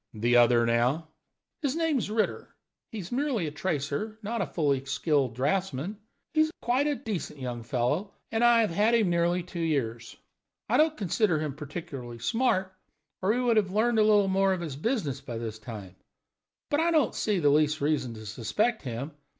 "The other, now?" "His name's Ritter. He is merely a tracer, not a fully skilled draughtsman. He is quite a decent young fellow, and I have had him two years. I don't consider him particularly smart, or he would have learned a little more of his business by this time. But I don't see the least reason to suspect him.